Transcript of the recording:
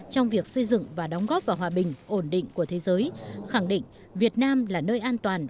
trong việc xây dựng và đóng góp vào hòa bình ổn định của thế giới khẳng định việt nam là nơi an toàn